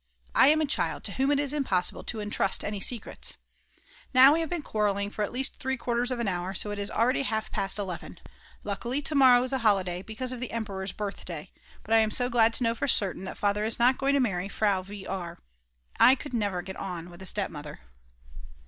I am a child to whom it is impossible to entrust any secrets!! Now we have been quarrelling for at least three quarters of an hour, so it is already half past 11. Luckily to morrow is a holiday, because of the Emperor's birthday. But I am so glad to know for certain that Father is not going to marry Frau v. R I could never get on with a stepmother.